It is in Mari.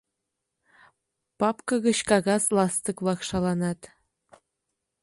Папка гыч кагаз ластык-влак шаланат.